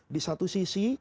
di satu sisi